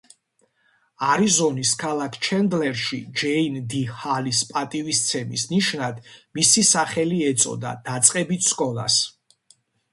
არიზონის ქალაქ ჩენდლერში ჯეინ დი ჰალის პატივისცემის ნიშნად მისი სახელი ეწოდა დაწყებით სკოლას.